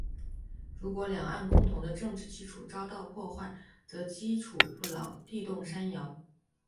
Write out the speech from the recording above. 如果两岸共同的政治基础遭到破坏，则基础不牢，地动山摇。